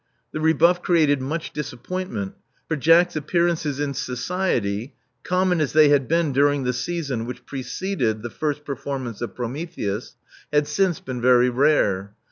The rebuff created much disappoint ment; for Jack's appearances in society, common as they had been during the season which preceded the first performance of Prometheus, had since been very rare.